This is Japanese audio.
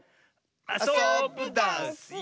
あそぶダスよ！